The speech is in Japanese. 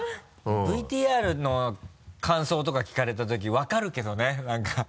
ＶＴＲの感想とか聞かれたとき分かるけどねなんか。